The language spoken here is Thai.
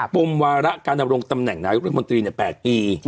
ปมวาระการตำแหน่งนายกรัฐมนตรีเนี่ย๘ปี